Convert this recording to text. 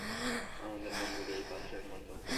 আমাদের মনগুলি এই পাত্রের মত।